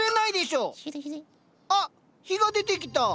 あっ日が出てきた。